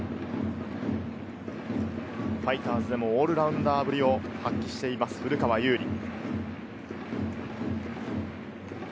ファイターズでもオールラウンダーぶりを発揮しています、古川侑利。